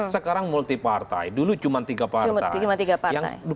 sekarang multi partai dulu cuma tiga partai